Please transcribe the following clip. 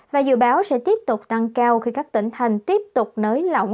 và dự báo sẽ tiếp tục tăng cao khi các tỉnh thành tiếp tục nới lỏng